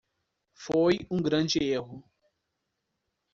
Foi um grande erro.